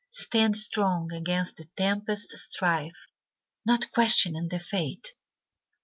Stand strong against the tempest's strife, Not questioning the fate.